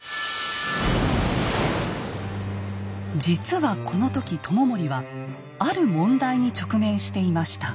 実はこの時知盛はある問題に直面していました。